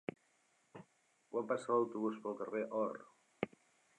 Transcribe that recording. Quan passa l'autobús pel carrer Or?